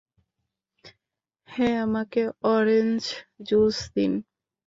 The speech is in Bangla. হ্যাঁ, আমাকে অরেঞ্জ জুস দিন।